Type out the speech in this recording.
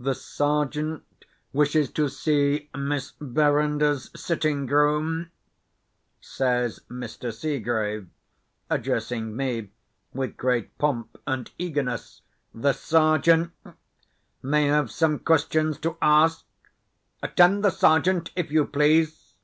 "The Sergeant wishes to see Miss Verinder's sitting room," says Mr. Seegrave, addressing me with great pomp and eagerness. "The Sergeant may have some questions to ask. Attend the Sergeant, if you please!"